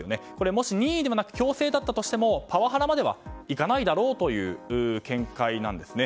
もし任意ではなく強制だったとしてもパワハラまではいかないだろうという見解なんですね。